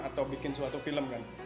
atau bikin suatu film kan